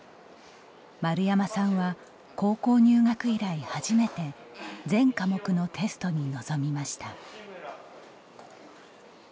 丸山さんは高校入学以来初めて全科目のテストに臨みました。